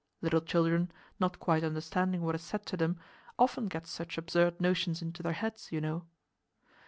Little children, not quite understanding what is said to them, often get such absurd notions into their heads, you know.